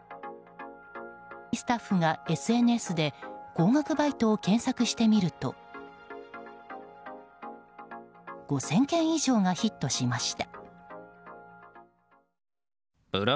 スタッフがＳＮＳで高額バイトを検索してみると５０００件以上がヒットしました。